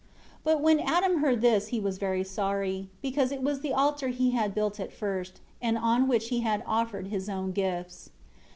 31 But when Adam heard this he was very sorry, because it was the altar he had built at first, and on which he had offered his own gifts.